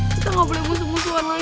kita gak boleh musuh musuhan lagi